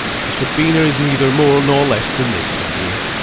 "A sub poena is neither more nor less than this, my dear.